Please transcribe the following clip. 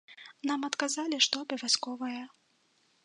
Нам адказалі, што абавязковае.